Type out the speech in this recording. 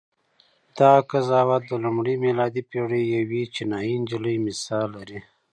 دغه قضاوت د لومړۍ میلادي پېړۍ یوې چینایي نجلۍ مثال لري.